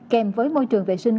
kèm với môi trường vệ sinh